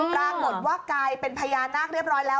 ปรากฏว่ากลายเป็นพญานาคเรียบร้อยแล้ว